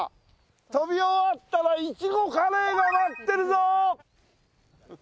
飛び終わったら苺カレーが待ってるぞ！